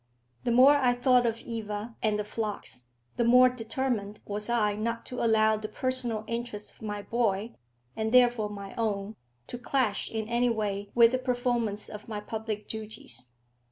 The more I thought of Eva and the flocks, the more determined was I not to allow the personal interests of my boy, and therefore my own, to clash in any way with the performance of my public duties.